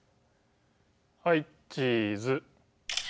はいチーズ。